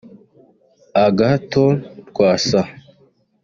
Agathon Rwasa